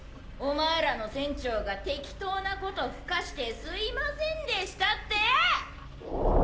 お前らの船長が適当なことふかしてすいませんでしたってよ！